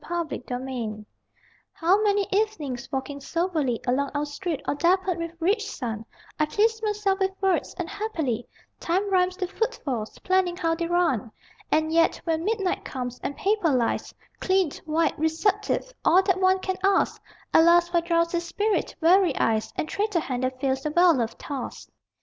_] ARS DURA How many evenings, walking soberly Along our street all dappled with rich sun, I please myself with words, and happily Time rhymes to footfalls, planning how they run; And yet, when midnight comes, and paper lies Clean, white, receptive, all that one can ask, Alas for drowsy spirit, weary eyes And traitor hand that fails the well loved task!